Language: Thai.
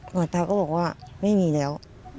หมอตาก็บอกว่าไม่มีแล้ว